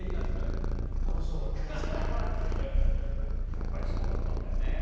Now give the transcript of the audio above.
「やっぱりそうだったんだよね」